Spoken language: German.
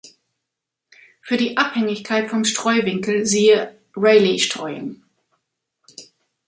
Für die Abhängigkeit vom Streuwinkel siehe Rayleighstreuung.